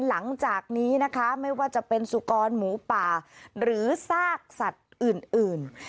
หลังจากนี้นะคะไม่ว่าจะเป็นสุกรหมูป่าหรือซากสัตว์อื่น